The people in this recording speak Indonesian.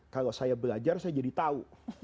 kalau saya belajar saya jadi tahu